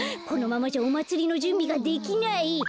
このままじゃおまつりのじゅんびができない。